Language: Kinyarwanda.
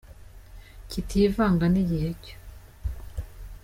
kitivanga n'ighe cyo